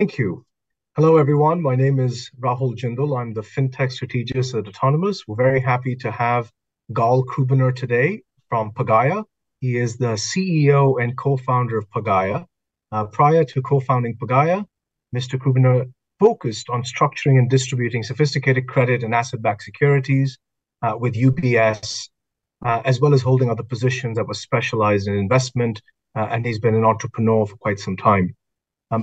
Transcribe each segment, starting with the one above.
Thank you. Hello, everyone. My name is Rahul Jindal. I'm the FinTech Strategist at Autonomous. We're very happy to have Gal Krubiner today from Pagaya. He is the CEO and co-founder of Pagaya. Prior to co-founding Pagaya, Mr. Krubiner focused on structuring and distributing sophisticated credit and asset-backed securities with UBS, aswell as holding other positions that were specialized in investment, and he's been an entrepreneur for quite some time.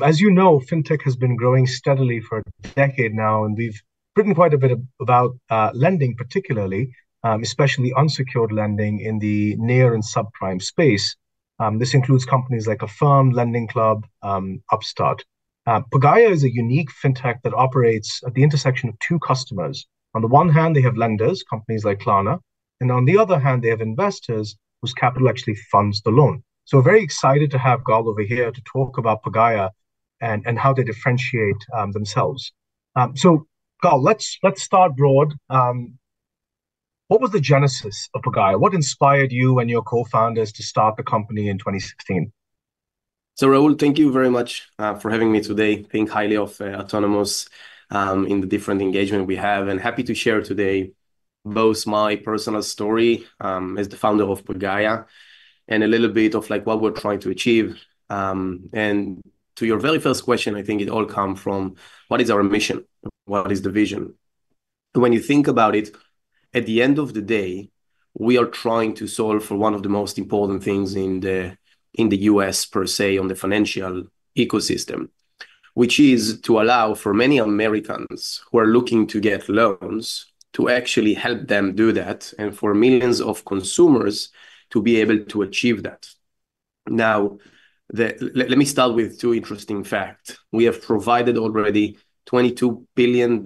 As you know, fintech has been growing steadily for a decade now, and we've written quite a bit about lending, particularly, especially unsecured lending in the near and subprime space. This includes companies like Affirm, LendingClub, and Upstart. Pagaya is a unique fintech that operates at the intersection of two customers. On the one hand, they have lenders, companies like Klarna, and on the other hand, they have investors whose capital actually funds the loan. So we're very excited to have Gal over here to talk about Pagaya and how they differentiate themselves. So, Gal, let's start broad. What was the genesis of Pagaya? What inspired you and your co-founders to start the company in 2016? Rahul, thank you very much for having me today. I think highly of Autonomous in the different engagement we have, and happy to share today both my personal story as the founder of Pagaya and a little bit of what we're trying to achieve. To your very first question, I think it all comes from what is our mission, what is the vision. When you think about it, at the end of the day, we are trying to solve for one of the most important things in the U.S., per se, on the financial ecosystem, which is to allow for many Americans who are looking to get loans to actually help them do that and for millions of consumers to be able to achieve that. Now, let me start with two interesting facts. We have provided already $22 billion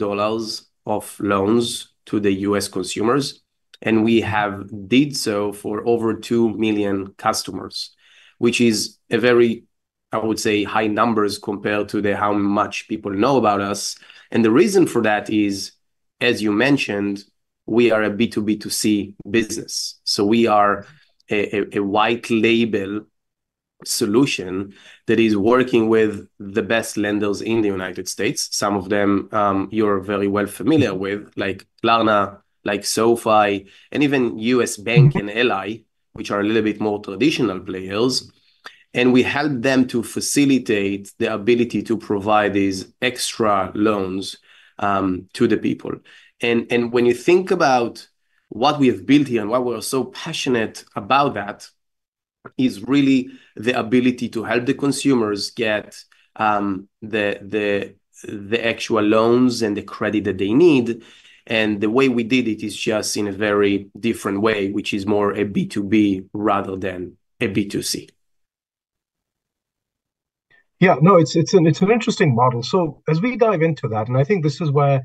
of loans to the U.S. consumers, and we have did so for over 2 million customers, which is a very, I would say, high number compared to how much people know about us, and the reason for that is, as you mentioned, we are a B2B2C business, so we are a white label solution that is working with the best lenders in the United States. Some of them you're very well familiar with, like Klarna, like SoFi, and even US Bank and Ally, which are a little bit more traditional players, and we help them to facilitate the ability to provide these extra loans to the people, and when you think about what we have built here and why we are so passionate about that, it's really the ability to help the consumers get the actual loans and the credit that they need. The way we did it is just in a very different way, which is more a B2B rather than a B2C. Yeah, no, it's an interesting model. So as we dive into that, and I think this is where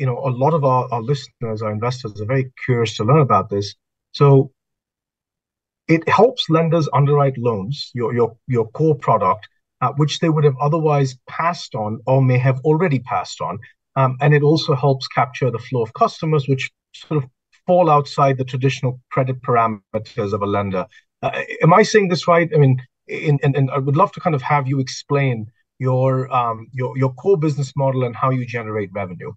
a lot of our listeners, our investors are very curious to learn about this. So it helps lenders underwrite loans, your core product, which they would have otherwise passed on or may have already passed on. And it also helps capture the flow of customers, which sort of fall outside the traditional credit parameters of a lender. Am I saying this right? I mean, and I would love to kind of have you explain your core business model and how you generate revenue.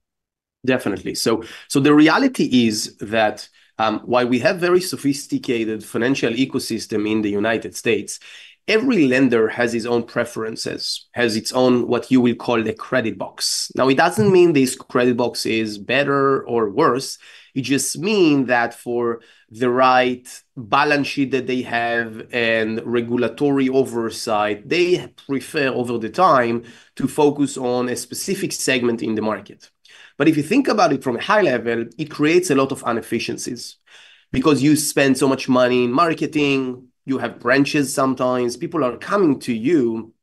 Definitely. So the reality is that while we have a very sophisticated financial ecosystem in the United States, every lender has its own preferences, has its own what you will call the credit box. Now, it doesn't mean this credit box is better or worse. It just means that for the right balance sheet that they have and regulatory oversight, they prefer over the time to focus on a specific segment in the market. But if you think about it from a high level, it creates a lot of inefficiencies because you spend so much money in marketing. You have branches sometimes. People are coming to you.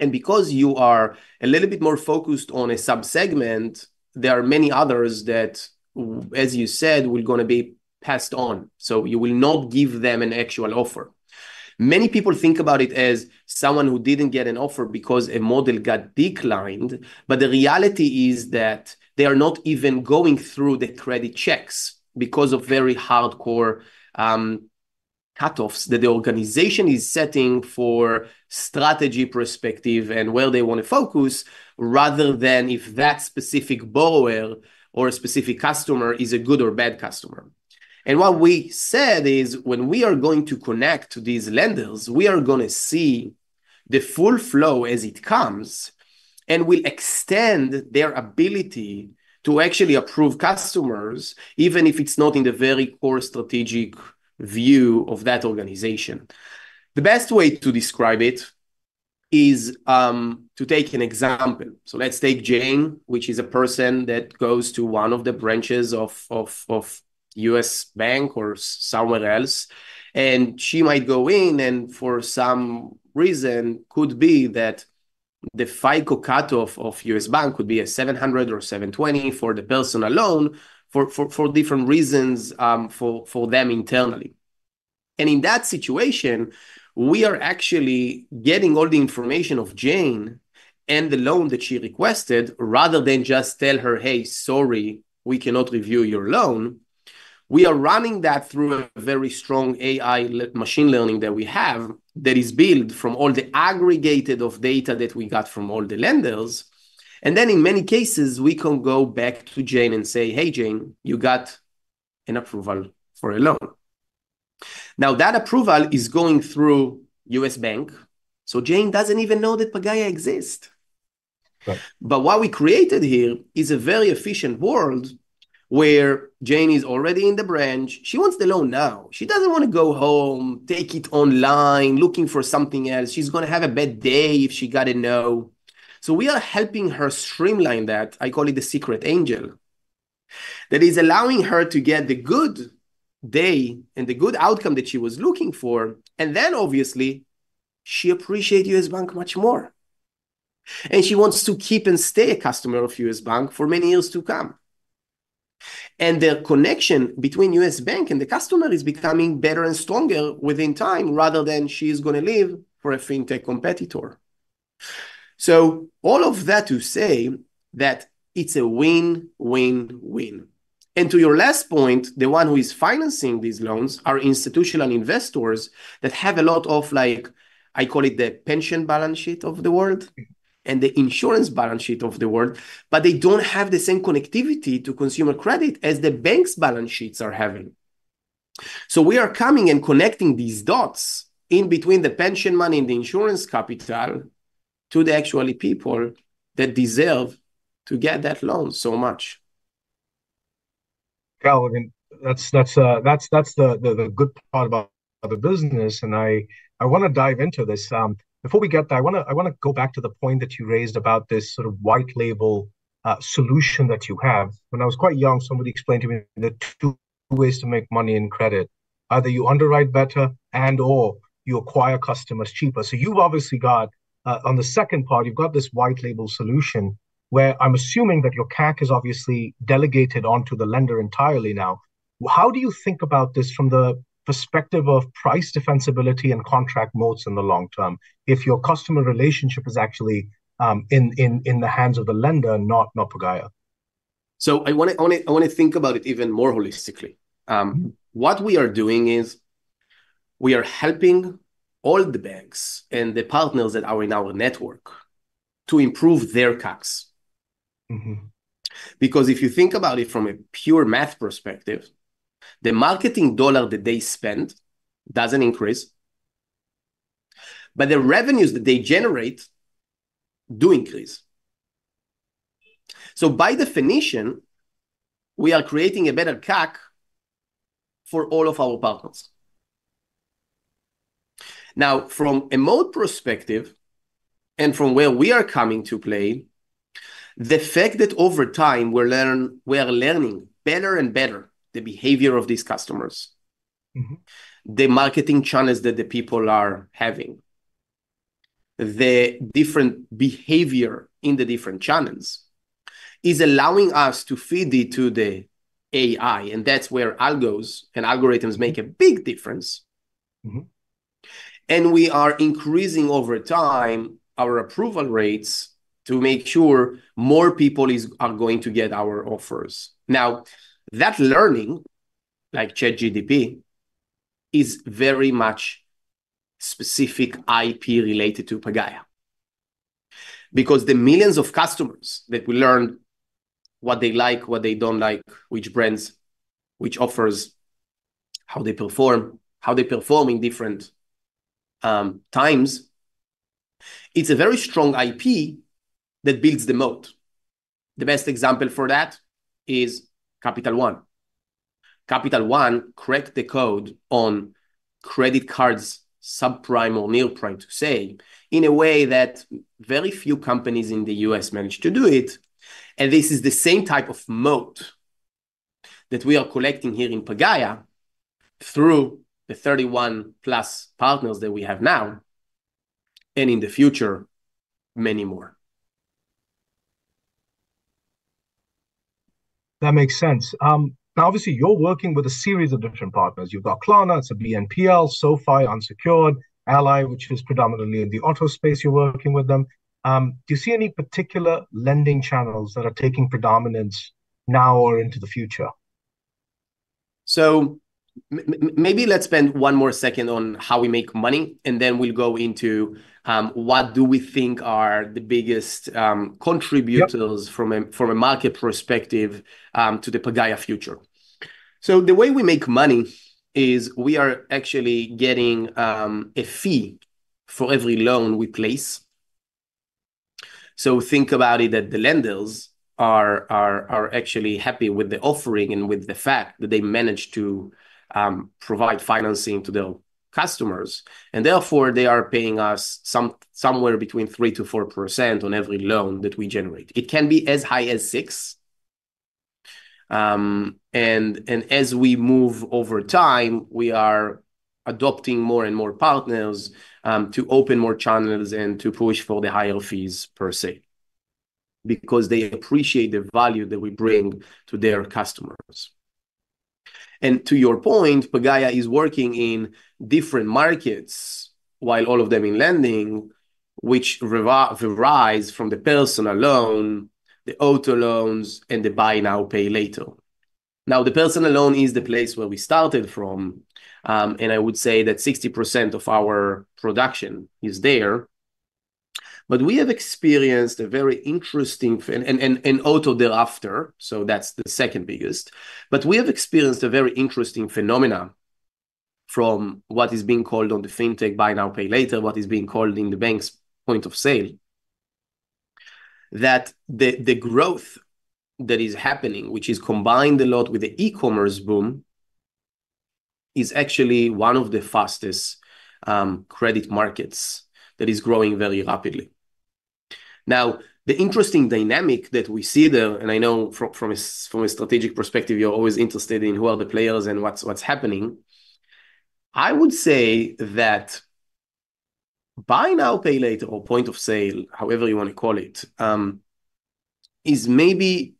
And because you are a little bit more focused on a subsegment, there are many others that, as you said, will going to be passed on. So you will not give them an actual offer. Many people think about it as someone who didn't get an offer because a model got declined. But the reality is that they are not even going through the credit checks because of very hardcore cutoffs that the organization is setting for strategy perspective and where they want to focus rather than if that specific borrower or a specific customer is a good or bad customer. And what we said is when we are going to connect to these lenders, we are going to see the full flow as it comes and will extend their ability to actually approve customers, even if it's not in the very core strategic view of that organization. The best way to describe it is to take an example. So let's take Jane, which is a person that goes to one of the branches of US Bank or somewhere else. She might go in and for some reason could be that the FICO cutoff of US Bank could be a 700 or 720 for the personal loan for different reasons for them internally. In that situation, we are actually getting all the information of Jane and the loan that she requested rather than just tell her, "Hey, sorry, we cannot review your loan." We are running that through a very strong AI machine learning that we have that is built from all the aggregated data that we got from all the lenders. Then in many cases, we can go back to Jane and say, "Hey, Jane, you got an approval for a loan." Now, that approval is going through US Bank. So Jane doesn't even know that Pagaya exists. But what we created here is a very efficient world where Jane is already in the branch. She wants the loan now. She doesn't want to go home, take it online, looking for something else. She's going to have a bad day if she got a no, so we are helping her streamline that. I call it the secret angel that is allowing her to get the good day and the good outcome that she was looking for, and then obviously, she appreciates US Bank much more, and she wants to keep and stay a customer of US Bank for many years to come, and the connection between US Bank and the customer is becoming better and stronger within time rather than she is going to leave for a fintech competitor, so all of that to say that it's a win, win, win. To your last point, the one who is financing these loans are institutional investors that have a lot of, I call it the pension balance sheet of the world and the insurance balance sheet of the world, but they don't have the same connectivity to consumer credit as the bank's balance sheets are having. We are coming and connecting these dots in between the pension money and the insurance capital to the actual people that deserve to get that loan so much. Yeah, I mean, that's the good part about the business. I want to dive into this. Before we get there, I want to go back to the point that you raised about this sort of white label solution that you have. When I was quite young, somebody explained to me the two ways to make money in credit. Either you underwrite better and/or you acquire customers cheaper. So you've obviously got on the second part, you've got this white label solution where I'm assuming that your CAC is obviously delegated onto the lender entirely now. How do you think about this from the perspective of price defensibility and contract modes in the long term if your customer relationship is actually in the hands of the lender, not Pagaya? So I want to think about it even more holistically. What we are doing is we are helping all the banks and the partners that are in our network to improve their CACs. Because if you think about it from a pure math perspective, the marketing dollar that they spend doesn't increase, but the revenues that they generate do increase. So by definition, we are creating a better CAC for all of our partners. Now, from a mode perspective and from where we are coming to play, the fact that over time we are learning better and better the behavior of these customers, the marketing channels that the people are having, the different behavior in the different channels is allowing us to feed it to the AI. And that's where algos and algorithms make a big difference. And we are increasing over time our approval rates to make sure more people are going to get our offers. Now, that learning, like ChatGPT, is very much specific IP related to Pagaya because the millions of customers that we learn what they like, what they don't like, which brands, which offers, how they perform, how they perform in different times, it's a very strong IP that builds the moat. The best example for that is Capital One. Capital One cracked the code on credit cards subprime or near prime, to say, in a way that very few companies in the U.S. managed to do it. And this is the same type of moat that we are collecting here in Pagaya through the 31 plus partners that we have now and in the future many more. That makes sense. Now, obviously, you're working with a series of different partners. You've got Klarna, it's a BNPL, SoFi, unsecured, Ally, which is predominantly in the auto space, you're working with them. Do you see any particular lending channels that are taking predominance now or into the future? So maybe let's spend one more second on how we make money, and then we'll go into what do we think are the biggest contributors from a market perspective to the Pagaya future. So the way we make money is we are actually getting a fee for every loan we place. So think about it, that the lenders are actually happy with the offering and with the fact that they managed to provide financing to their customers. And therefore, they are paying us somewhere between 3%-4% on every loan that we generate. It can be as high as 6%. And as we move over time, we are adopting more and more partners to open more channels and to push for the higher fees, per se, because they appreciate the value that we bring to their customers. To your point, Pagaya is working in different markets while all of them in lending, which varies from the personal loan, the auto loans, and the buy now, pay later. Now, the personal loan is the place where we started from. I would say that 60% of our production is there. But we have experienced a very interesting in auto thereafter, so that's the second biggest. But we have experienced a very interesting phenomenon from what is being called the fintech buy now, pay later, what is being called in the bank's point of sale, that the growth that is happening, which is combined a lot with the e-commerce boom, is actually one of the fastest credit markets that is growing very rapidly. Now, the interesting dynamic that we see there, and I know from a strategic perspective, you're always interested in who are the players and what's happening. I would say that buy now, pay later or point of sale, however you want to call it, is maybe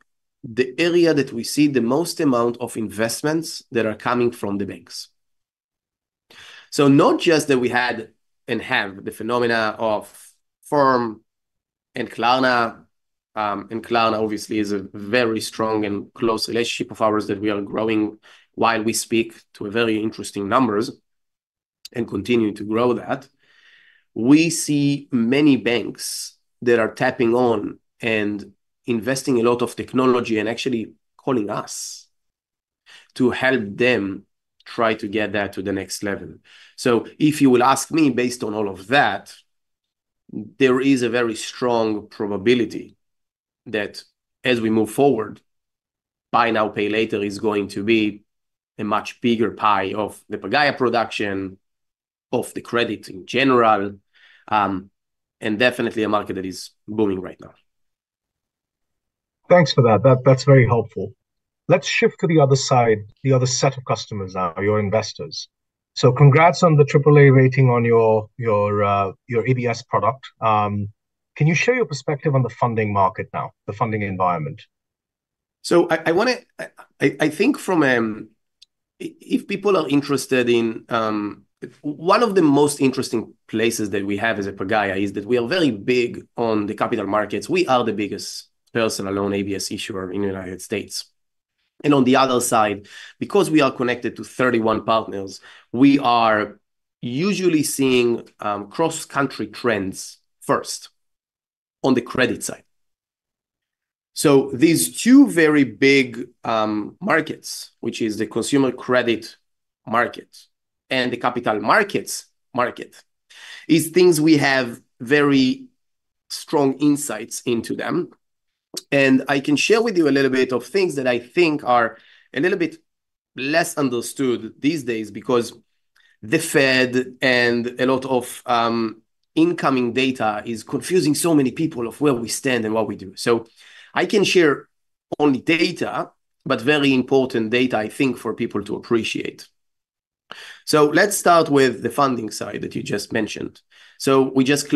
the area that we see the most amount of investments that are coming from the banks. So not just that we had and have the phenomenon of Affirm and Klarna. And Klarna, obviously, is a very strong and close relationship of ours that we are growing while we speak to very interesting numbers and continue to grow that. We see many banks that are tapping on and investing a lot of technology and actually calling us to help them try to get that to the next level. So, if you will ask me, based on all of that, there is a very strong probability that as we move forward, buy now, pay later is going to be a much bigger pie of the Pagaya production, of the credit in general, and definitely a market that is booming right now. Thanks for that. That's very helpful. Let's shift to the other side, the other set of customers now, your investors. So congrats on the AAA rating on your ABS product. Can you share your perspective on the funding market now, the funding environment? So, I think if people are interested in one of the most interesting places that we have as a Pagaya is that we are very big on the capital markets. We are the biggest personal loan ABS issuer in the United States. And on the other side, because we are connected to 31 partners, we are usually seeing cross-country trends first on the credit side. So these two very big markets, which is the consumer credit market and the capital markets, is things we have very strong insights into them. And I can share with you a little bit of things that I think are a little bit less understood these days because the Fed and a lot of incoming data is confusing so many people of where we stand and what we do. So I can share only data, but very important data, I think, for people to appreciate. So let's start with the funding side that you just mentioned. So we just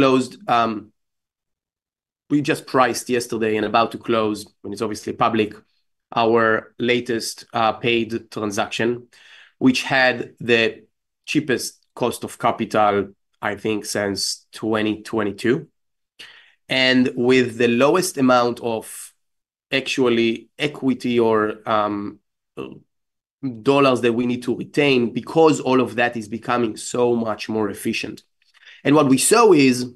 priced yesterday and about to close when it's obviously public our latest ABS transaction, which had the cheapest cost of capital, I think, since 2022, and with the lowest amount of actually equity or dollars that we need to retain because all of that is becoming so much more efficient. And what we saw is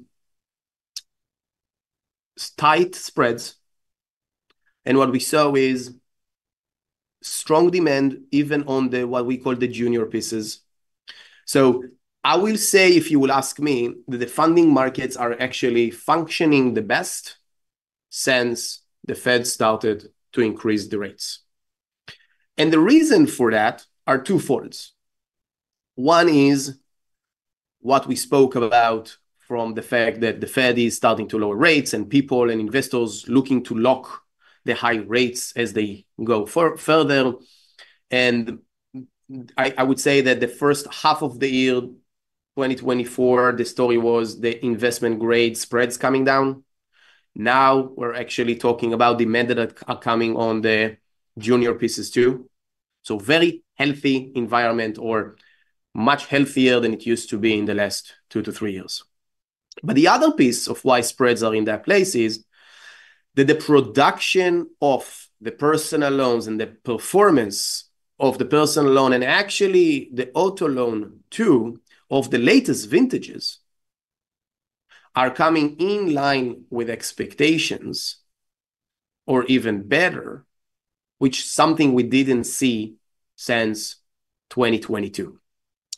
tight spreads. And what we saw is strong demand even on what we call the junior pieces. So I will say, if you will ask me, that the funding markets are actually functioning the best since the Fed started to increase the rates. And the reason for that are twofold. One is what we spoke about from the fact that the Fed is starting to lower rates and people and investors looking to lock the high rates as they go further, and I would say that the first half of the year 2024, the story was the investment grade spreads coming down. Now we're actually talking about demand that are coming on the junior pieces too. So very healthy environment or much healthier than it used to be in the last two to three years. But the other piece of why spreads are in that place is that the production of the personal loans and the performance of the personal loan and actually the auto loan too of the latest vintages are coming in line with expectations or even better, which is something we didn't see since 2022.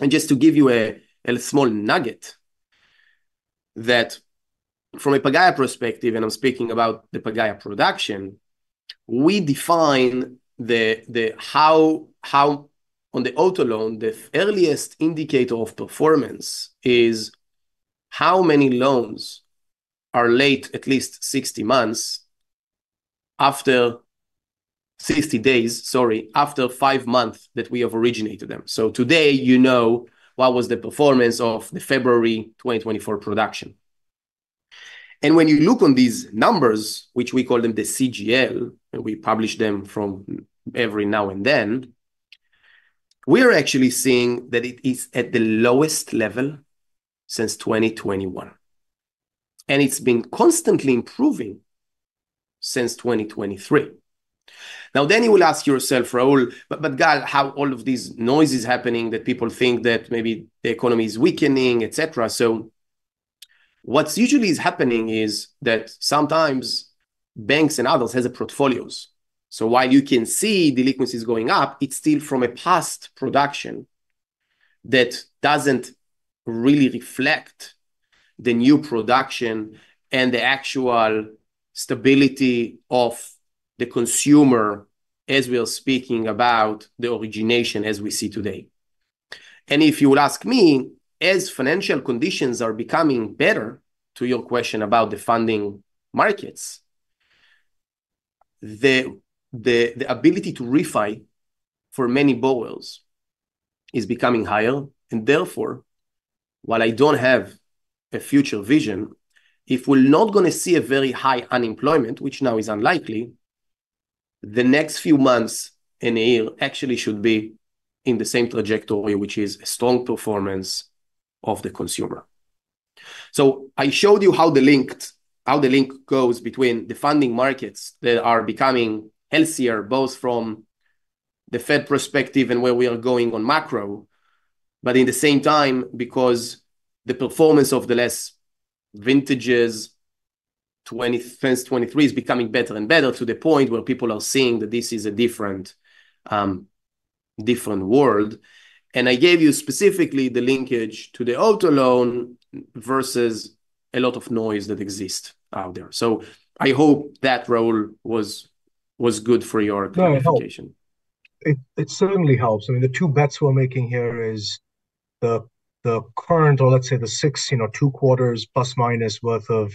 Just to give you a small nugget that from a Pagaya perspective, and I'm speaking about the Pagaya production, we define the how on the auto loan, the earliest indicator of performance is how many loans are late at least 60 months after 60 days, sorry, after five months that we have originated them. Today, you know, what was the performance of the February 2024 production. When you look on these numbers, which we call them the CGL, and we publish them from every now and then, we are actually seeing that it is at the lowest level since 2021. It's been constantly improving since 2023. Now, then you will ask yourself, Rahul, but, God, how all of these noise is happening that people think that maybe the economy is weakening, et cetera. What usually is happening is that sometimes banks and others have portfolios. So while you can see the liquidity is going up, it's still from a past production that doesn't really reflect the new production and the actual stability of the consumer as we are speaking about the origination as we see today. And if you will ask me, as financial conditions are becoming better, to your question about the funding markets, the ability to refinance for many borrowers is becoming higher. And therefore, while I don't have a future vision, if we're not going to see a very high unemployment, which now is unlikely, the next few months and a year actually should be in the same trajectory, which is a strong performance of the consumer. I showed you how the link goes between the funding markets that are becoming healthier both from the Fed perspective and where we are going on macro, but at the same time, because the performance of the latest vintages since 2023 is becoming better and better to the point where people are seeing that this is a different world. I gave you specifically the linkage to the auto loan versus a lot of noise that exists out there. I hope that, Rahul, was good for your communication. It certainly helps. I mean, the two bets we're making here is the current, or let's say the six or two quarters plus minus worth of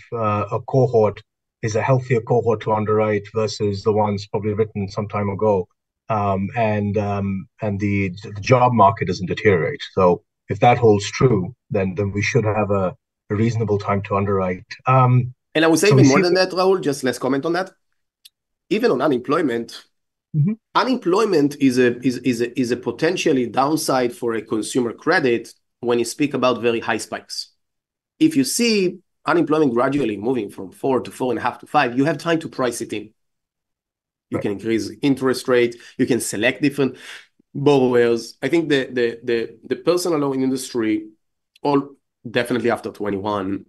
a cohort is a healthier cohort to underwrite versus the ones probably written some time ago, and the job market doesn't deteriorate so if that holds true, then we should have a reasonable time to underwrite. I would say even more than that, Rahul. Just let's comment on that. Even on unemployment, unemployment is a potential downside for consumer credit when you speak about very high spikes. If you see unemployment gradually moving from four to four and a half to five, you have time to price it in. You can increase interest rates. You can select different pools. I think the personal loan industry all definitely after 2021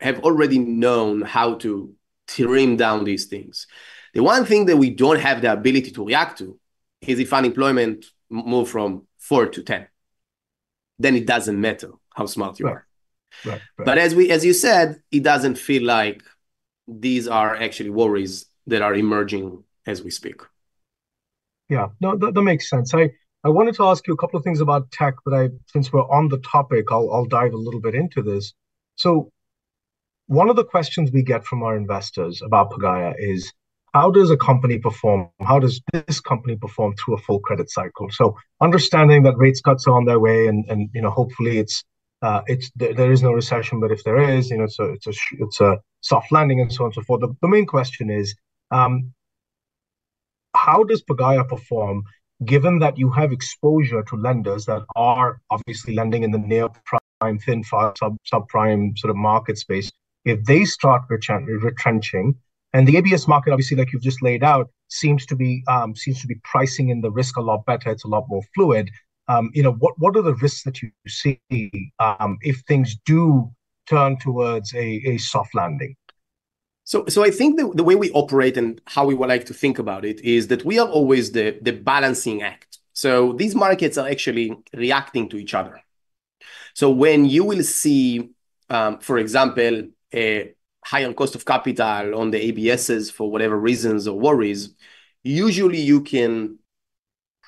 have already known how to trim down these things. The one thing that we don't have the ability to react to is if unemployment moves from four to ten. Then it doesn't matter how smart you are. But as you said, it doesn't feel like these are actually worries that are emerging as we speak. Yeah, no, that makes sense. I wanted to ask you a couple of things about tech, but since we're on the topic, I'll dive a little bit into this. So one of the questions we get from our investors about Pagaya is, how does a company perform? How does this company perform through a full credit cycle? So understanding that rate cuts are on their way, and hopefully there is no recession, but if there is, it's a soft landing and so on and so forth. But the main question is, how does Pagaya perform given that you have exposure to lenders that are obviously lending in the near prime, thin, subprime sort of market space? If they start retrenching, and the ABS market, obviously, like you've just laid out, seems to be pricing in the risk a lot better. It's a lot more fluid. What are the risks that you see if things do turn towards a soft landing? So I think the way we operate and how we would like to think about it is that we are always the balancing act. So these markets are actually reacting to each other. So when you will see, for example, a higher cost of capital on the ABSs for whatever reasons or worries, usually you can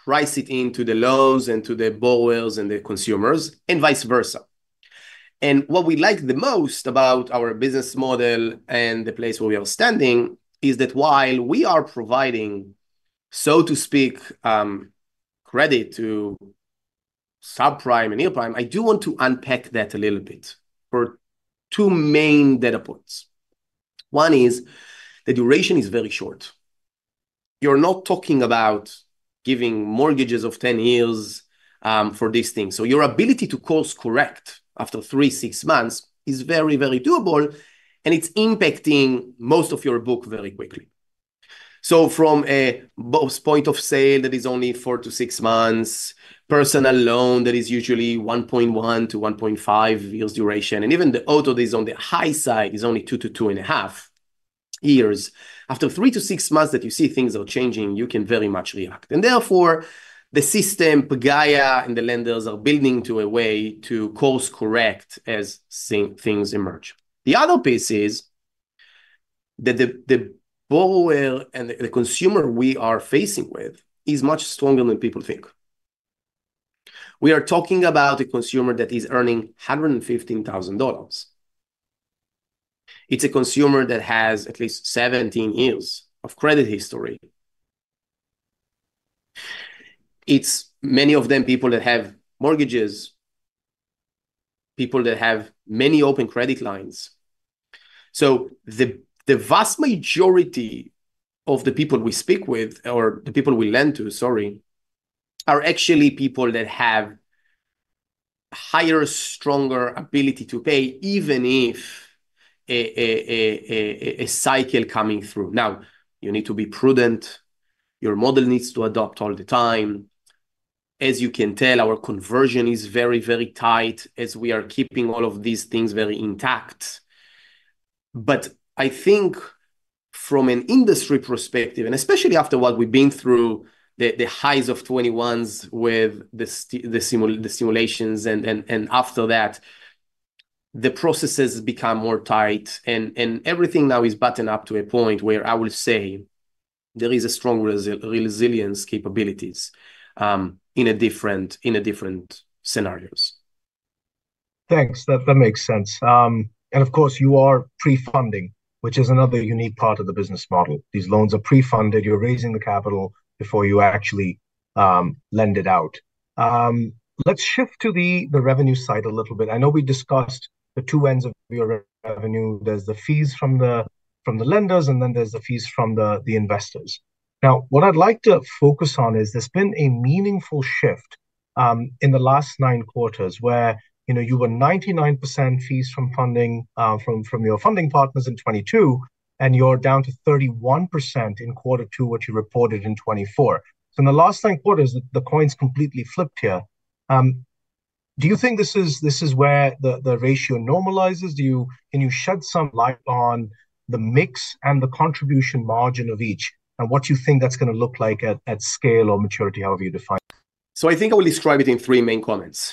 price it into the loans and to the borrowers and the consumers and vice versa. And what we like the most about our business model and the place where we are standing is that while we are providing, so to speak, credit to subprime and near prime, I do want to unpack that a little bit for two main data points. One is the duration is very short. You're not talking about giving mortgages of 10 years for these things. Your ability to course correct after three, six months is very, very doable, and it's impacting most of your book very quickly. From a post point of sale that is only four to six months, personal loan that is usually 1.1 to 1.5 years duration, and even the auto that is on the high side is only two to two and a half years. After three to six months that you see things are changing, you can very much react. Therefore, the system, Pagaya and the lenders are building to a way to course correct as things emerge. The other piece is that the borrower and the consumer we are facing with is much stronger than people think. We are talking about a consumer that is earning $115,000. It's a consumer that has at least 17 years of credit history. It's many of them people that have mortgages, people that have many open credit lines, so the vast majority of the people we speak with or the people we lend to, sorry, are actually people that have higher, stronger ability to pay even if a cycle coming through, now you need to be prudent. Your model needs to adapt all the time. As you can tell, our conversion is very, very tight as we are keeping all of these things very intact, but I think from an industry perspective, and especially after what we've been through, the highs of 21s with the simulations and after that, the processes become more tight and everything now is buttoned up to a point where I will say there is a strong resilience capabilities in different scenarios. Thanks. That makes sense. And of course, you are pre-funding, which is another unique part of the business model. These loans are pre-funded. You're raising the capital before you actually lend it out. Let's shift to the revenue side a little bit. I know we discussed the two ends of your revenue. There's the fees from the lenders, and then there's the fees from the investors. Now, what I'd like to focus on is there's been a meaningful shift in the last nine quarters where you were 99% fees from funding from your funding partners in 2022, and you're down to 31% in quarter two, which you reported in 2024. So in the last nine quarters, the coin's completely flipped here. Do you think this is where the ratio normalizes? Can you shed some light on the mix and the contribution margin of each and what you think that's going to look like at scale or maturity, however you define it? So I think I will describe it in three main comments.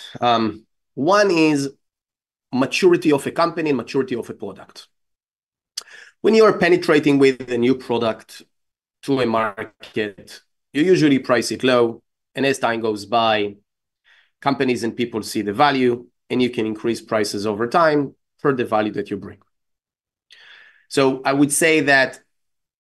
One is maturity of a company and maturity of a product. When you are penetrating with a new product to a market, you usually price it low, and as time goes by, companies and people see the value, and you can increase prices over time for the value that you bring. So I would say that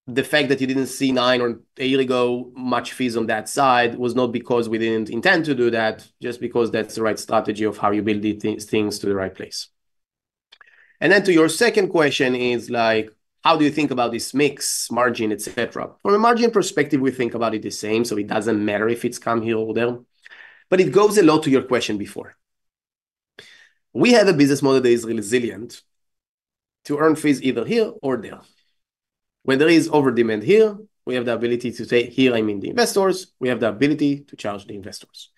the fact that you didn't see, nine or ten years ago, much fees on that side was not because we didn't intend to do that, just because that's the right strategy of how you build these things to the right place. And then to your second question, it's like, how do you think about this mix, margin, et cetera? From a margin perspective, we think about it the same, so it doesn't matter if it's from here or there. But it goes a lot to your question before. We have a business model that is resilient to earn fees either here or there. When there is over demand here, we have the ability to take here. I mean the investors. We have the ability to charge the investors.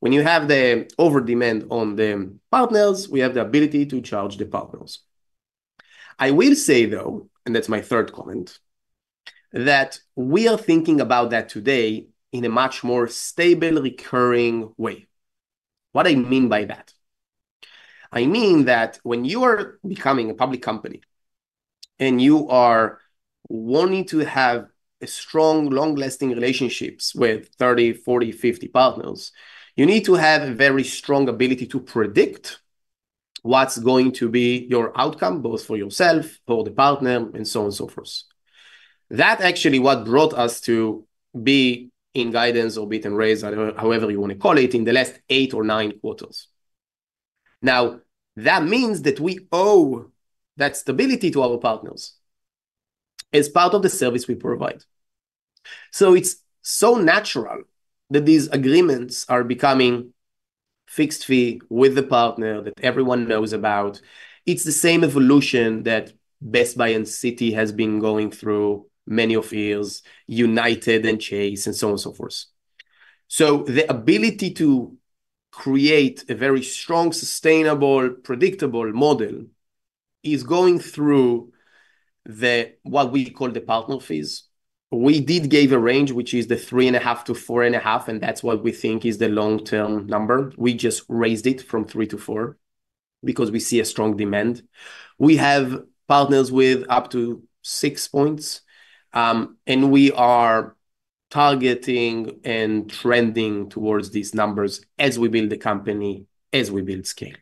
When you have the over demand on the partners, we have the ability to charge the partners. I will say though, and that's my third comment, that we are thinking about that today in a much more stable recurring way. What I mean by that, I mean that when you are becoming a public company and you are wanting to have strong, long-lasting relationships with 30, 40, 50 partners, you need to have a very strong ability to predict what's going to be your outcome both for yourself, for the partner, and so on and so forth. That actually what brought us to beat guidance or beat-and-raise, however you want to call it, in the last eight or nine quarters. Now, that means that we owe that stability to our partners as part of the service we provide. It's so natural that these agreements are becoming fixed fee with the partner that everyone knows about. It's the same evolution that Best Buy and Citi has been going through for many years, United and Chase and so on and so forth. The ability to create a very strong, sustainable, predictable model is going through what we call the partner fees. We did give a range, which is the 3.5-4.5, and that's what we think is the long-term number. We just raised it from 3 to 4 because we see a strong demand. We have partners with up to six points, and we are targeting and trending towards these numbers as we build the company, as we build scale.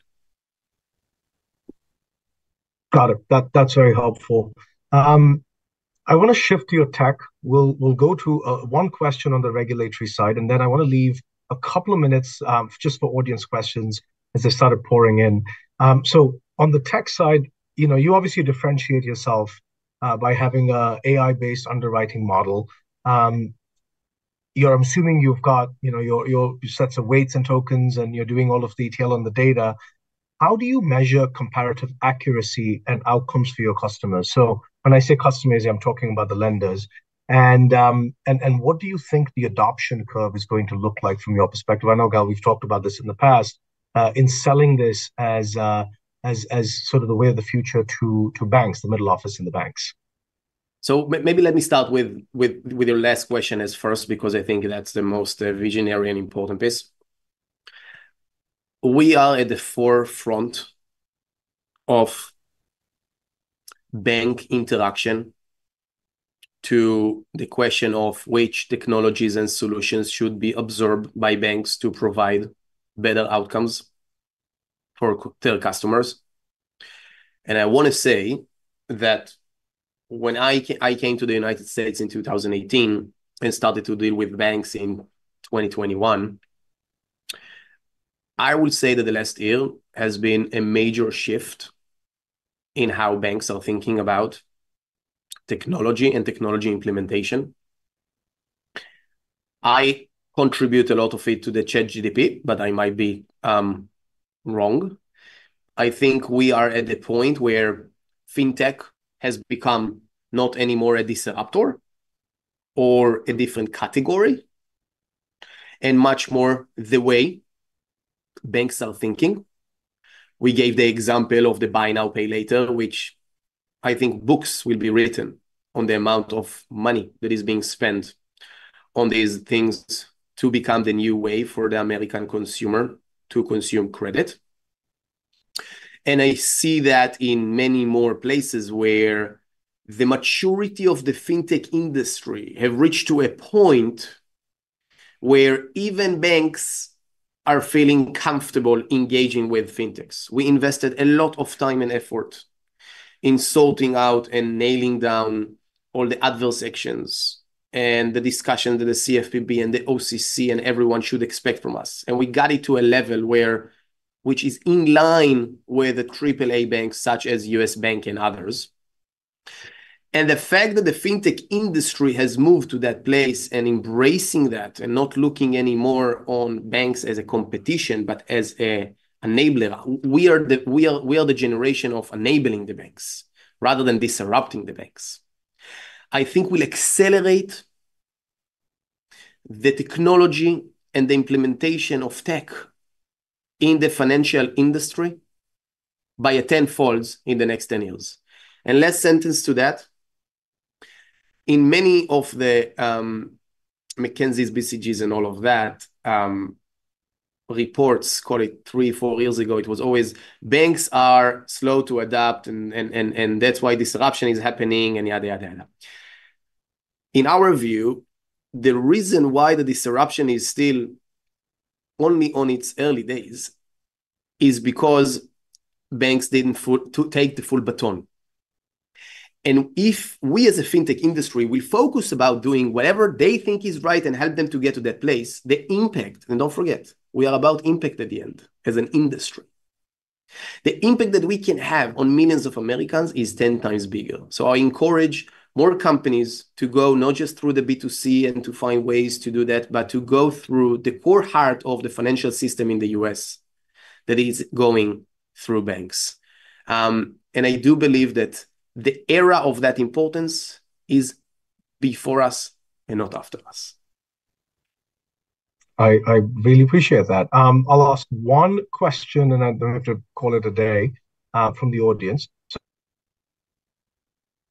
Got it. That's very helpful. I want to shift to your tech. We'll go to one question on the regulatory side, and then I want to leave a couple of minutes just for audience questions as they started pouring in, so on the tech side, you obviously differentiate yourself by having an AI-based underwriting model. You're assuming you've got your sets of weights and tokens, and you're doing all of the detail on the data. How do you measure comparative accuracy and outcomes for your customers, so when I say customers, I'm talking about the lenders, and what do you think the adoption curve is going to look like from your perspective? I know, Gal, we've talked about this in the past in selling this as sort of the way of the future to banks, the middle office in the banks. So maybe let me start with your last question as first because I think that's the most visionary and important piece. We are at the forefront of bank interaction to the question of which technologies and solutions should be observed by banks to provide better outcomes for their customers. And I want to say that when I came to the United States in 2018 and started to deal with banks in 2021, I would say that the last year has been a major shift in how banks are thinking about technology and technology implementation. I contribute a lot of it to the ChatGPT, but I might be wrong. I think we are at the point where fintech has become not anymore a disruptor or a different category, and much more the way banks are thinking. We gave the example of the buy now, pay later, which I think books will be written on the amount of money that is being spent on these things to become the new way for the American consumer to consume credit. And I see that in many more places where the maturity of the fintech industry has reached to a point where even banks are feeling comfortable engaging with fintechs. We invested a lot of time and effort in sorting out and nailing down all the adverse actions and the discussion that the CFPB and the OCC and everyone should expect from us. And we got it to a level which is in line with the AAA banks such as US Bank and others. The fact that the fintech industry has moved to that place and embracing that and not looking anymore on banks as a competition, but as an enabler, we are the generation of enabling the banks rather than disrupting the banks. I think we'll accelerate the technology and the implementation of tech in the financial industry by a tenfold in the next 10 years. Last sentence to that, in many of the McKinsey's, BCG's, and all of that reports, call it three, four years ago, it was always banks are slow to adapt, and that's why disruption is happening, and yada, yada, yada. In our view, the reason why the disruption is still only on its early days is because banks didn't take the full baton. If we as a fintech industry will focus about doing whatever they think is right and help them to get to that place, the impact, and don't forget, we are about impact at the end as an industry. The impact that we can have on millions of Americans is 10 times bigger. So I encourage more companies to go not just through the B2C and to find ways to do that, but to go through the core heart of the financial system in the U.S. that is going through banks. I do believe that the era of that importance is before us and not after us. I really appreciate that. I'll ask one question, and I don't have to call it a day from the audience.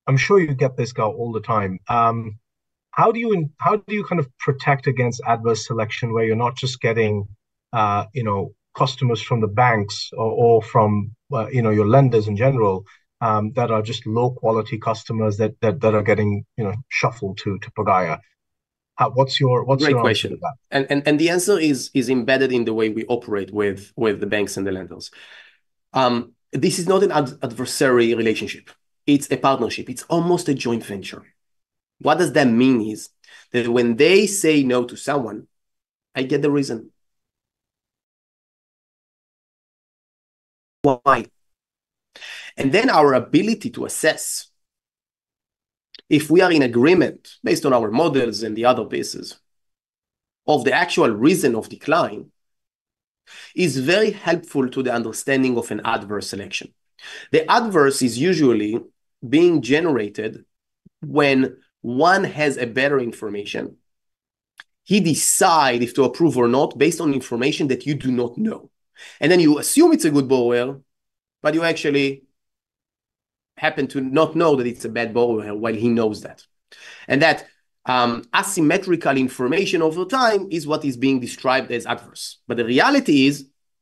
I'm sure you get this, Gal, all the time. How do you kind of protect against adverse selection where you're not just getting customers from the banks or from your lenders in general that are just low-quality customers that are getting shuffled to Pagaya? What's your answer to that? Great question. And the answer is embedded in the way we operate with the banks and the lenders. This is not an adversary relationship. It's a partnership. It's almost a joint venture. What does that mean is that when they say no to someone, I get the reason. Why? And then our ability to assess if we are in agreement based on our models and the other basis of the actual reason of decline is very helpful to the understanding of an adverse selection. The adverse is usually being generated when one has better information. He decides if to approve or not based on information that you do not know. And then you assume it's a good borrower, but you actually happen to not know that it's a bad borrower while he knows that. And that asymmetric information over time is what is being described as adverse. But the reality is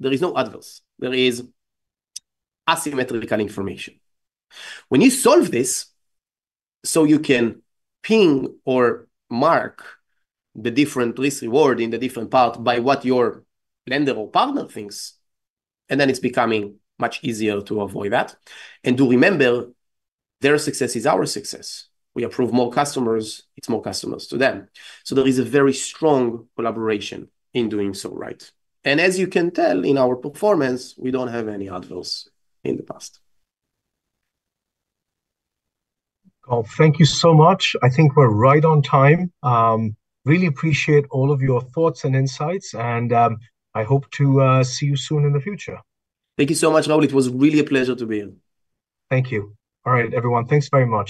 there is no adverse. There is asymmetrical information. When you solve this, so you can ping or mark the different risk-reward in the different part by what your lender or partner thinks, and then it's becoming much easier to avoid that, and to remember, their success is our success. We approve more customers, it's more customers to them, so there is a very strong collaboration in doing so, right? And as you can tell in our performance, we don't have any adverse in the past. Thank you so much. I think we're right on time. Really appreciate all of your thoughts and insights, and I hope to see you soon in the future. Thank you so much, Rahul. It was really a pleasure to be here. Thank you. All right, everyone. Thanks very much.